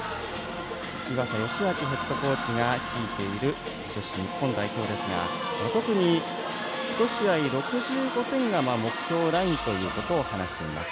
岩佐義明ヘッドコーチが率いている女子日本代表ですが１試合６５点が目標ラインということを話しています。